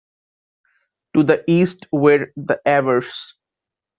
To the east were the Avars.